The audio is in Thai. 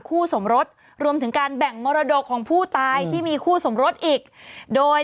คู่สมรสรวมถึงการแบ่งมรดกของผู้ตายที่มีคู่สมรสอีกโดย